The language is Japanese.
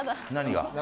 何が？